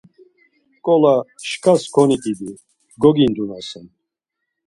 Nǩola şkas koniǩidi, gogindunasen.